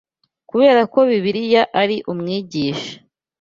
Kubera ko Bibiliya ari umwigisha